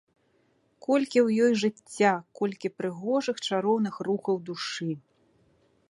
Колькі ў ёй жыцця, колькі прыгожых, чароўных рухаў душы!